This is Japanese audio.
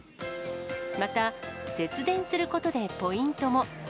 また、節電することでポイントも。